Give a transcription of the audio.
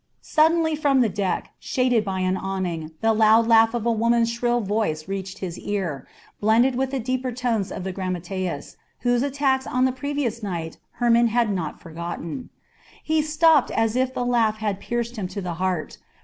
Suddenly from the deck, shaded by an awning, the loud laugh of a woman's shrill voice reached his ear, blended with the deeper tones of the grammateus, whose attacks on the previous night Hermon had not forgotten. He stopped as if the laugh had pierced him to the heart.